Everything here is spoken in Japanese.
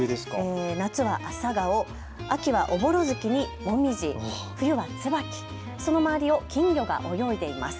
夏は朝顔、秋はおぼろ月に紅葉冬はつばき、その周りを金魚が泳いでいます。